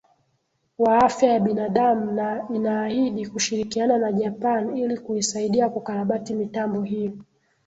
wa afya ya binadamu na inaahidi kushirikiana na japan ili kuisaidia kukarabati mitambo hiyo